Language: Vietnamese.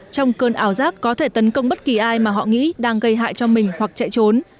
trong cơn ảo giác có thể tấn công bất kỳ ai mà họ nghĩ đang gây hại cho mình hoặc chạy trốn